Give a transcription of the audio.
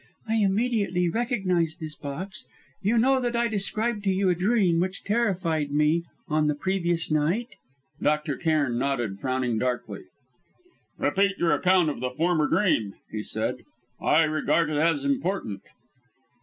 I immediately recognised this box. You know that I described to you a dream which terrified me on the previous night?" Dr. Cairn nodded, frowning darkly. "Repeat your account of the former dream," he said. "I regard it as important."